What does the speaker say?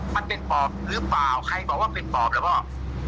มันเป็นปอบหรือเปล่าใครบอกว่าเป็นปอบเหรอพ่อ